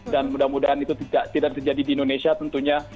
dan mudah mudahan itu tidak terjadi di indonesia tentunya